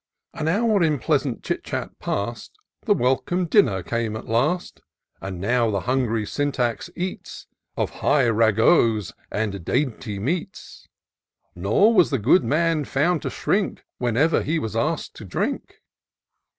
An hour in pleasant chit chat past, The welcome dinner came at last; And now the hungry Syntax eats Of high ragouts and dainty meats ; Nor was the good man found to shrink Whenever he was ask'd to drink.